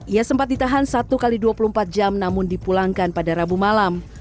ia sempat ditahan satu x dua puluh empat jam namun dipulangkan pada rabu malam